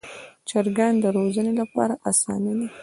چرګان د روزنې لپاره اسانه دي.